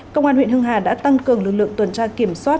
công an huyện hưng hà đã tăng cường lực lượng tuần tra kiểm soát